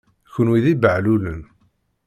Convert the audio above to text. Kenwi d ibehlulen!